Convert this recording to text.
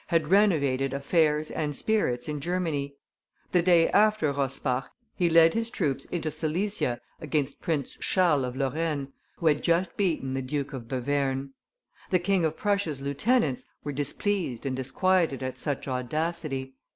had renovated affairs and spirits in Germany; the day after Rosbach, he led his troops into Silesia against Prince Charles of Lorraine, who had just beaten the Duke of Bevern; the King of Prussia's lieutenants were displeased and disquieted at such audacity.